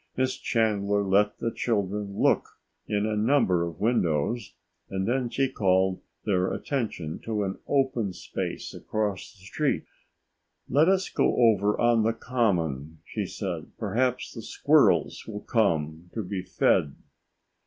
Miss Chandler let the children look in a number of windows and then she called their attention to an open space across the street. "Let us go over on the Common," she said. "Perhaps the squirrels will come to be fed."